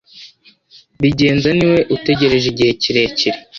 Bigenza niwe utegereje igihe kirekire.